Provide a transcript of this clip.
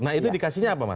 nah itu indikasinya apa mas